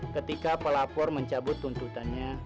ketika pelapor mencabut tuntutannya